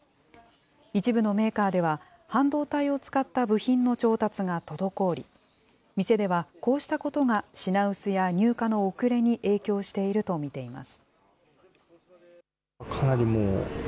一部のメーカーでは、半導体を使った部品の調達が滞り、店ではこうしたことが、品薄や入荷の遅れに影響していると見ています。